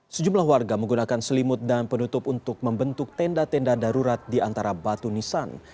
sejumlah warga menggunakan selimut dan penutup untuk membentuk tenda tenda darurat di antara batu nisan